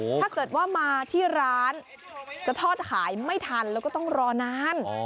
ถ้าเกิดว่ามาที่ร้านจะทอดขายไม่ทันแล้วก็ต้องรอนาน